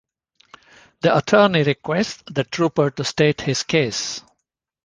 The attorney requests the trooper to state his case.